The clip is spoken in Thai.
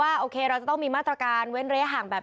โอเคเราจะต้องมีมาตรการเว้นระยะห่างแบบ